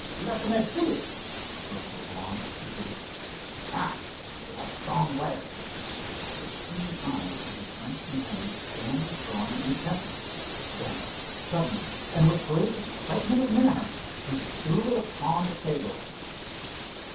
"Let me see it," spoke Leblance, eagerly. "Ah, you have done well." The keen eyes of the French inventor scanned the drawing intently. Then, suddenly and with great excitement of manner, he threw it upon the table.